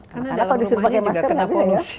karena dalam rumahnya juga kena polusi